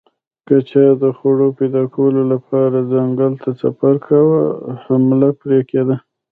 که چا د خوړو پیدا کولو لپاره ځنګل ته سفر کاوه حمله پرې کېده